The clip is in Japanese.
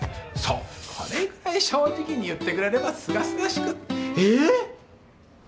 そうこれぐらい正直に言ってくれればすがすがしくえっ？